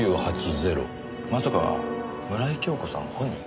まさか村井今日子さん本人？